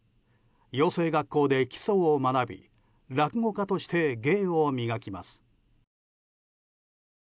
養成学校で基礎を学び落語家として芸を磨きます。